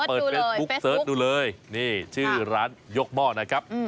เฟสบุ๊คเซิร์ชดูเลยเฟสบุ๊คเซิร์ชดูเลยนี่ชื่อร้านยกหม้อนะครับ